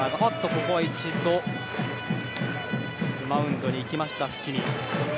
ここは一度マウンドに行きました伏見。